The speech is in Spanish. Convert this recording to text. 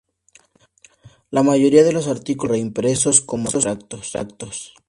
La mayoría de los artículos fueron reimpresos como tractos.